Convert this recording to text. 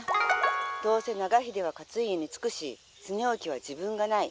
どうせ長秀は勝家につくし恒興は自分がない。